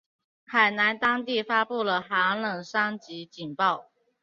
海南当地发布了寒冷三级警报。